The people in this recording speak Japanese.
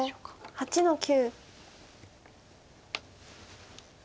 白８の九。